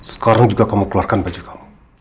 sekarang juga kamu keluarkan baju kamu